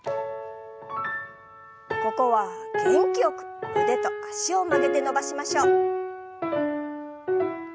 ここは元気よく腕と脚を曲げて伸ばしましょう。